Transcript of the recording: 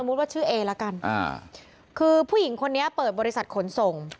ว่าชื่อเอละกันอ่าคือผู้หญิงคนนี้เปิดบริษัทขนส่ง